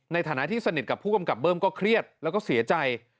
ในฐานะที่สนิทกับผู้กำกับเบิ้มก็เครียดแล้วก็เสียใจ